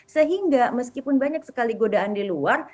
sehingga meskipun banyak sekali godaan di luar